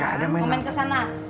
mau main ke sana